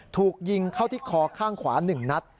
ถูกยิงเข้าที่คอข้างขวา๑นัด